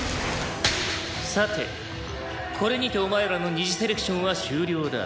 「さてこれにてお前らの二次セレクションは終了だ」